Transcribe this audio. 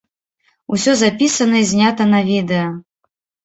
Усё запісана і знята на відэа.